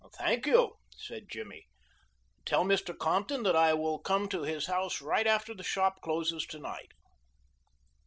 "Thank you," said Jimmy. "Tell Mr. Compton that I will come to the house right after the shop closes to night."